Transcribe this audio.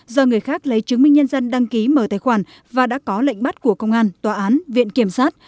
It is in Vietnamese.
do người khác lấy chứng minh nhân dân đăng ký mở tài khoản và đã có lệnh bắt của công an tòa án viện kiểm sát